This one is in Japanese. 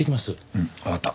うんわかった。